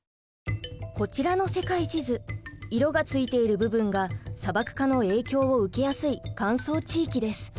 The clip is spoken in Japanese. こちらの世界地図色がついている部分が砂漠化の影響を受けやすい乾燥地域です。